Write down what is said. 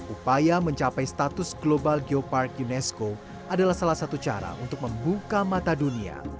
upaya mencapai status global geopark unesco adalah salah satu cara untuk membuka mata dunia